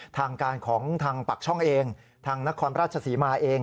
ทางการของทางปากช่องเองทางนครราชศรีมาเอง